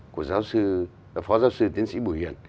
của phó giáo sư tiến sĩ bùi hiền